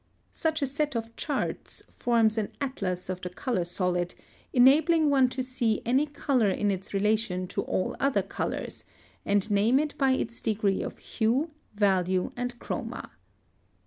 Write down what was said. (127) Such a set of charts forms an atlas of the color solid, enabling one to see any color in its relation to all other colors, and name it by its degree of hue, value, and chroma.